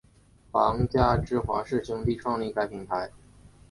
皇家芝华士兄弟创立该品牌。